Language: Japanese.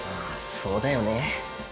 まぁそうだよね。